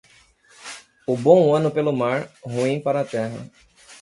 O bom ano pelo mar, ruim para a terra.